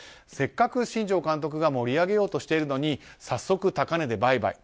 せっかく新庄監督が盛り上げようとしているのに早速、高値で売買。